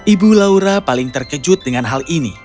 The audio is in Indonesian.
ibu laura paling terkejut dengan hal ini